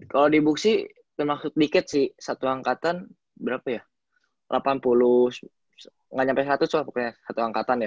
ehh kalo di book city itu maksud dikit sih satu angkatan berapa ya delapan puluh ga nyampe seratus soalnya pokoknya satu angkatan ya